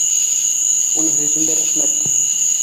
Уныһы өсөн дә рәхмәт.